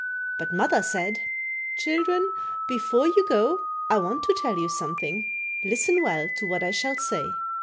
But mother said: "Children, before you go I want to tell you something; listen well to what I shall say."